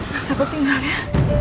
mas aku tinggal ya